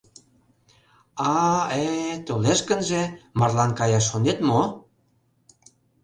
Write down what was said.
А... э... толеш гынже, марлан каяш шонет мо?